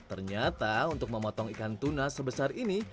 ternyata untuk memotong ikan tuna sebesar ini